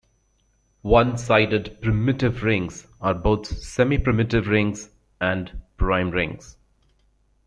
One sided primitive rings are both semiprimitive rings and prime rings.